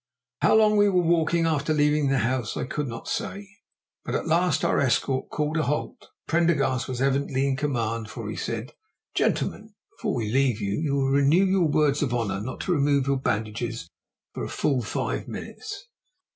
How long we were walking, after leaving the house, I could not say, but at last our escort called a halt. Prendergast was evidently in command, for he said, "Gentlemen, before we leave you, you will renew your words of honour not to remove your bandages for five full minutes?"